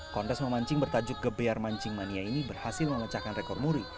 kontes memancing bertajuk gebiar mancing mania ini berhasil memecahkan rekor muri